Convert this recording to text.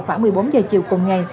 khoảng một mươi bốn h chiều cùng ngày